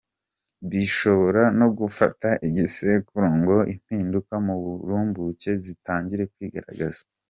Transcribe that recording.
Bishobora no gufata igisekuru ngo impinduka mu burumbuke zitangire kwigaragaza.